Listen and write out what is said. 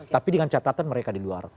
tapi dengan catatan mereka di luar